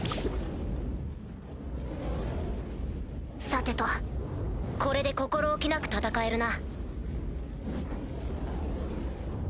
さてとこれで心置きなく戦えるな。